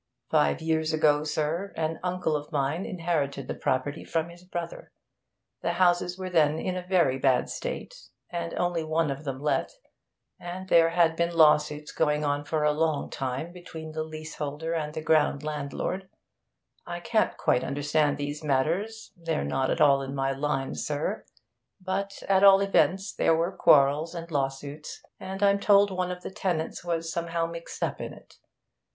Five years ago, sir, an uncle of mine inherited the property from his brother. The houses were then in a very bad state, and only one of them let, and there had been lawsuits going on for a long time between the leaseholder and the ground landlord I can't quite understand these matters, they're not at all in my line, sir; but at all events there were quarrels and lawsuits, and I'm told one of the tenants was somehow mixed up in it.